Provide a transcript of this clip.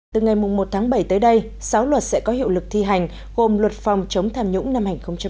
từ ngày một tháng bảy tới đây sáu luật sẽ có hiệu lực thi hành gồm luật phòng chống tham nhũng năm hai nghìn một mươi chín